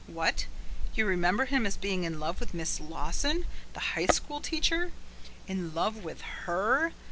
What? You remember him as being in love with Miss Lawson, the high school teacher? In love with HER?